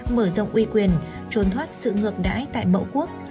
mở rộng uy quyền trốn thoát sự ngược đãi tại mẫu quốc